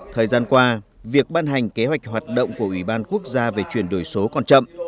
thời gian qua việc ban hành kế hoạch hoạt động của ủy ban quốc gia về chuyển đổi số còn chậm